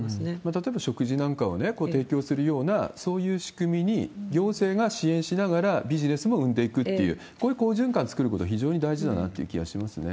例えば、食事なんかを提供するような、そういう仕組みに、行政が支援しながらビジネスも生んでいくっていう、こういう好循環作ること、非常に大事だなっていう気がしますね。